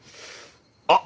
あっ！